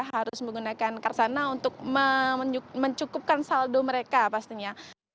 harus menggunakan karsana untuk mencukupkan saldo mereka pastinya